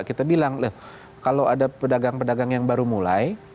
kita bilang loh kalau ada pedagang pedagang yang baru mulai